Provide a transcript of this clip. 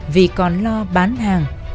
vì còn lo bán hàng